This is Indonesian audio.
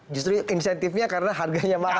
justru insentifnya karena harganya mahal